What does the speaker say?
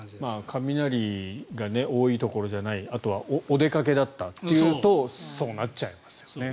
雷が多いところじゃないあとはお出かけだったというとそうなっちゃいますよね。